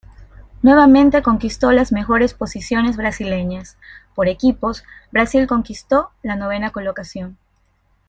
Nuevamente conquistó las mejores posiciones brasileñas: por equipos, Brasil conquistó la novena colocación.